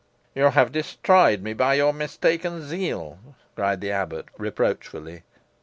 "You have destroyed me by your mistaken zeal," cried the abbot, reproachfully.